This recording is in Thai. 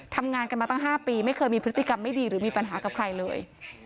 ทำงานกันมาตั้ง๕ปีไม่เคยมีพฤติกรรมไม่ดีหรือมีปัญหากับใครเลย